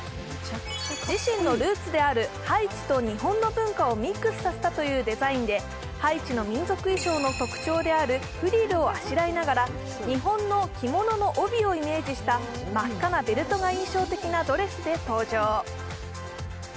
自身のるーつであるハイチと日本の文化をミックスさせたというデザインでハイチの民族衣装の特徴であるフリルをあしらいながら、日本の着物の帯をイメージした真っ赤なベルトが印象的なドレスで登場。